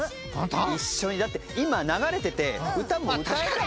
一緒にだって今流れてて歌も歌えたもん。